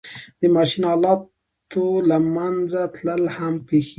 د ماشین آلاتو له منځه تلل هم پېښېږي